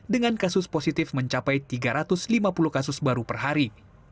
dengan kasus positif mencapai tiga ratus lima puluh kasus baru per hari